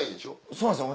そうなんですよ